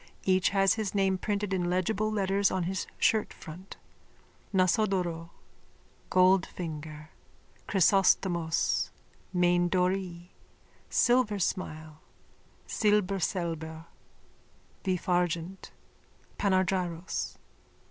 Each has his name printed in legible letters on his shirtfront: Nasodoro, Goldfinger, Chrysostomos, Maindorée, Silversmile, Silberselber, Vifargent, Panargyros.